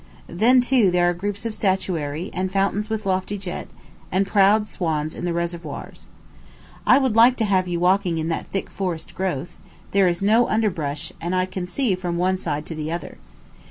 Then, too, there are groups of statuary, and fountains with lofty jet, and proud swans in the reservoirs. I would like to have you walking in that thick forest growth; there is no underbrush; I can see from one side to the other.